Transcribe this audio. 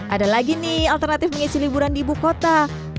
ada lagi nih alternatif mengisi liburan di ibu kota